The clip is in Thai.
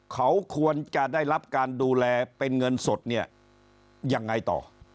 เขาควรจะได้รับการดูแลเป็นเงินสดเนี่ยยังไงต่อ